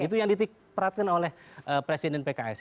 itu yang diperatkan oleh presiden pks